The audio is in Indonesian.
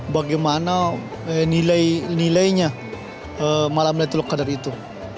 bagaimana nilainya malam laylatul qadr itu